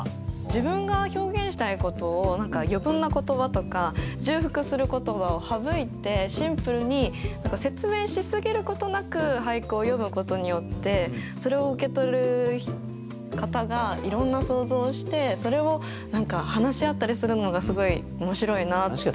自分が表現したいことを余分な言葉とか重複する言葉を省いてシンプルに説明しすぎることなく俳句を詠むことによってそれを受け取る方がいろんな想像をしてそれを話し合ったりするのがすごい面白いなって。